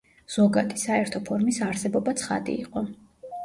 ზოგადი, საერთო ფორმის არსებობა ცხადი იყო.